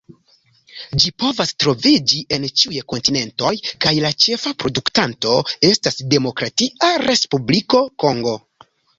Ĝi povas troviĝi en ĉiuj kontinentoj, kaj la ĉefa produktanto estas Demokratia Respubliko Kongo.